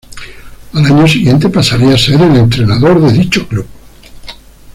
Al año siguiente pasaría a ser el entrenador de dicho club.